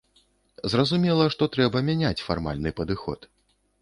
Зразумела, што трэба мяняць фармальны падыход.